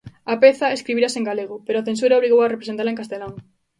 A peza escribírase en galego, pero a censura obrigou a representala en castelán.